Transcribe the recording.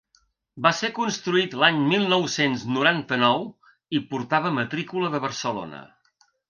Va ser construït l’any mil nou-cents noranta-nou i portava matrícula de Barcelona.